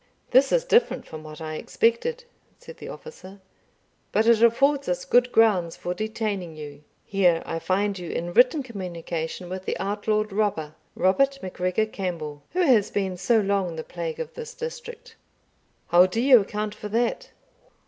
"This is different from what I expected," said the officer; "but it affords us good grounds for detaining you. Here I find you in written communication with the outlawed robber, Robert MacGregor Campbell, who has been so long the plague of this district How do you account for that?"